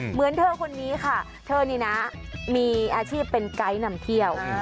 เหมือนเธอคนนี้ค่ะเธอนี่นะมีอาชีพเป็นไกด์นำเที่ยว